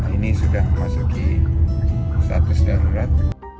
ini sudah masuk ke status darurat